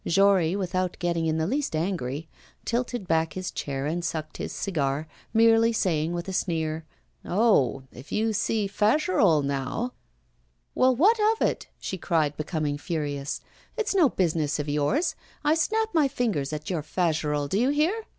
Jory, without getting in the least angry, tilted back his chair and sucked his cigar, merely saying with a sneer: 'Oh! if you see Fagerolles now ' 'Well, what of it?' she cried, becoming furious. 'It's no business of yours. I snap my fingers at your Fagerolles, do you hear?